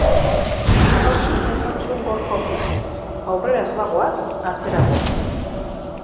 Aspaldi esan zuen Gorka Urbizuk: aurrera ez bagoaz atzera goaz"